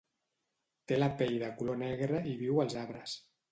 Té la pell de color negre i viu als arbres